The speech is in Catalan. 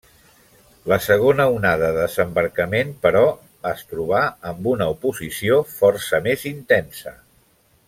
La segona onada de desembarcament, però, es trobà amb una oposició força més intensa.